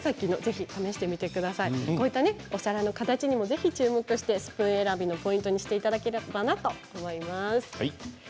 こういった形にも注目してスプーン選びのポイントにしていただければなと思います。